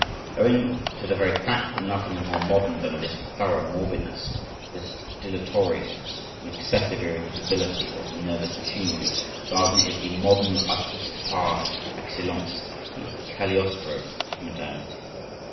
Owing to the very fact that nothing is more modern than this thorough morbidness, this dilatoriness and excessive irritability of the nervous machinery, Wagner is the modern artist par excellence, the Cagliostro of modernity.